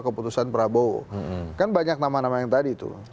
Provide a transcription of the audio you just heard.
keputusan prabowo kan banyak nama nama yang tadi tuh